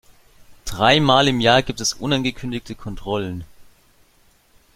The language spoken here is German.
Dreimal im Jahr gibt es unangekündigte Kontrollen.